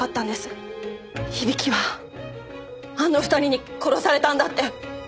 響はあの２人に殺されたんだって。